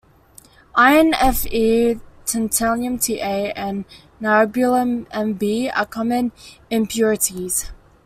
Iron Fe, tantalum Ta and niobium Nb are common impurities.